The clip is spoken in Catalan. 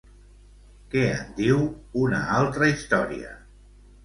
Què en diu una altra història?